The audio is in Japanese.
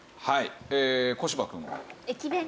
はい。